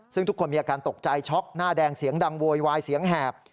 ซึ่งทุกคนมีอาการตกใจช็อกหน้าแดงเสียงดังโวยวายเสียงแหบ